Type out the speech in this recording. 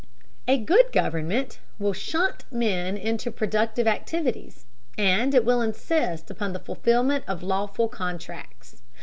A good government will shunt men into productive activities, and it will insist upon the fulfilment of lawful contracts.